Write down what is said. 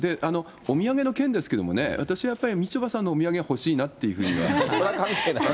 お土産の件ですけどもね、私やっぱり、みちょぱさんのお土産欲しいなっていうふうに。